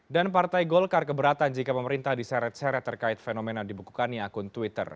dan partai golkar keberatan jika pemerintah diseret seret terkait fenomena dibekukannya akun twitter